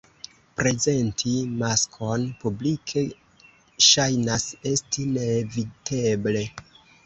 Prezenti maskon publike ŝajnas esti neeviteble.